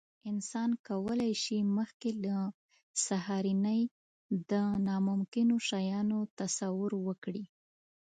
انسان کولی شي، مخکې له سهارنۍ د ناممکنو شیانو تصور وکړي.